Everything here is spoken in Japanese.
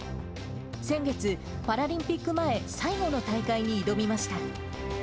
先月、パラリンピック前、最後の大会に挑みました。